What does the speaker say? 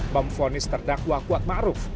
memfonis terdakwa kuatma aruf